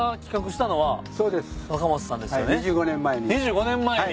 ２５年前に。